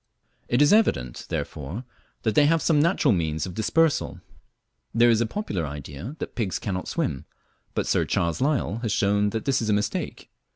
It is evident, therefore, that they have some natural means of dispersal. There is a popular idea that pigs cannot swim, but Sir Charles Lyell has shown that this is a mistake.